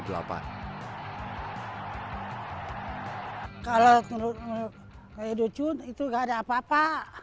kalau menurut joo dochoon itu nggak ada apa apa